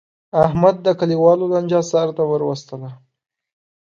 احمد د کلیوالو لانجه سرته ور وستله.